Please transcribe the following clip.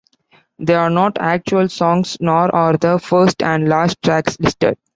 They are not actual songs, nor are the first and last tracks listed.